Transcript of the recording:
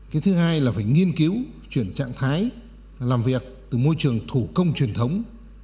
cái thứ hai là phải nghiên cứu chuyển trạng thái làm việc từ môi trường thủ công truyền thống